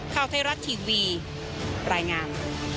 ข้าวเทศรัทย์ทีวีรายงาน